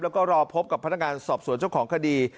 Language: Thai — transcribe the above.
แล้วก็รอพบกับพนักงานสอบสวนเจ้าของคดี